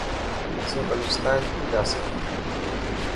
اسين بلوچستان جا سان.